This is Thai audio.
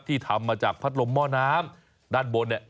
ทำมาจากพัดลมหม้อน้ำด้านบนเนี่ย